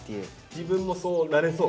自分もそうなれそう？